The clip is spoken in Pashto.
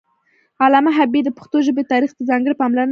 علامه حبيبي د پښتو ژبې تاریخ ته ځانګړې پاملرنه کړې ده